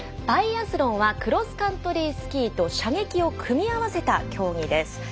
バイアスロンはクロスカントリースキーと射撃を組み合わせた競技です。